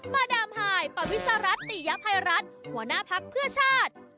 มาดามหายปวิสารัตติยภัยรัฐหัวหน้าพักเพื่อชาติ